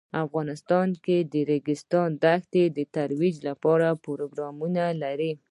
افغانستان د د ریګ دښتې د ترویج لپاره پروګرامونه لري.